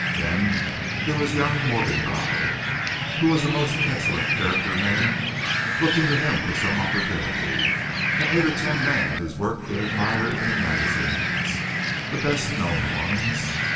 Then there was young Morgenbau, who was a most excellent character man, looking to him for some opportunity, and eight or ten men whose work he had admired in the magazines the best known ones.